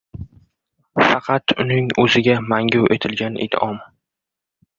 Faqat uning o‘ziga mangu etilgan in’om.